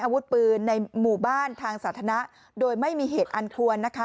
อาวุธปืนในหมู่บ้านทางสาธารณะโดยไม่มีเหตุอันควรนะคะ